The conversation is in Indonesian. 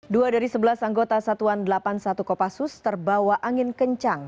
dua dari sebelas anggota satuan delapan puluh satu kopassus terbawa angin kencang